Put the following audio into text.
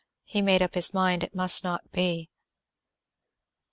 He made up his mind it must not be.